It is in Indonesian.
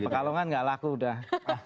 di pekalongan gak laku udah